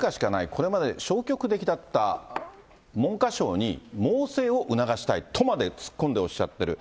これまで消極的だった文科省に猛省を促したいとまで、突っ込んでおっしゃってる。